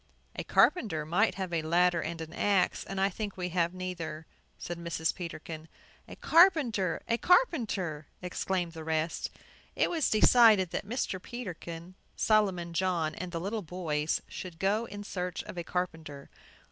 "A carpenter might have a ladder and an axe, and I think we have neither," said Mrs. Peterkin. "A carpenter! A carpenter!" exclaimed the rest. It was decided that Mr. Peterkin, Solomon John, and the little boys should go in search of a carpenter.